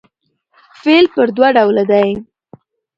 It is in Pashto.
فعل پر دوه ډوله دئ.